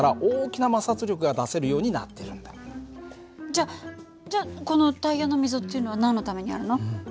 じゃじゃあこのタイヤの溝っていうのは何のためにあるの？